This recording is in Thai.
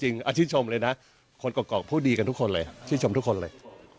ชื่นชมเลยนะคนกรอกพูดดีกันทุกคนเลยชื่นชมทุกคนเลย